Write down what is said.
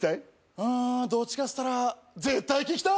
うんどっちかっつったら絶対聞きたい！